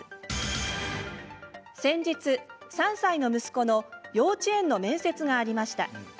先日３歳の息子の幼稚園の面接がありました。